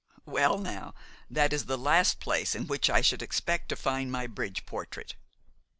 "Well, now, that is the last place in which I should expect to find my bridge portrait."